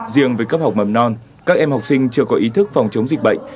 riêng với cấp học mầm non các em học sinh chưa có ý thức phòng chống dịch bệnh